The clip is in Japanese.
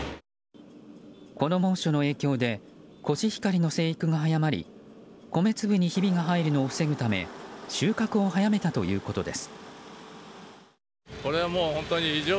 この猛暑の影響でコシヒカリの生育が早まり米粒にひびが入るのを防ぐため収穫を早めたということです。